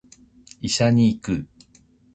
医者に行く